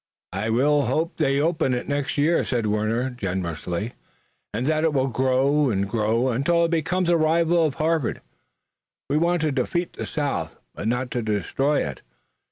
"I hope they will re open it next year," said Warner generously, "and that it will grow and grow, until it becomes a rival of Harvard. We want to defeat the South, but not to destroy it.